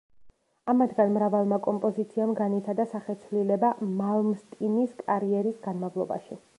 ამათგან მრავალმა კომპოზიციამ განიცადა სახეცვლილება მალმსტინის კარიერის განმავლობაში.